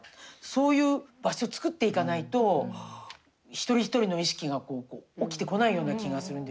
そういう場所作っていかないと一人一人の意識が起きてこないような気がするんですよね。